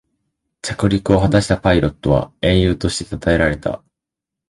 着陸を果たしたパイロットは英雄としてたたえられた